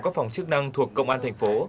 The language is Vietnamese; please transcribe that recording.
các phòng chức năng thuộc công an thành phố